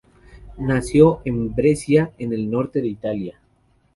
Nació en Brescia, en el norte de Italia.